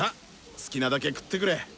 好きなだけ食ってくれ！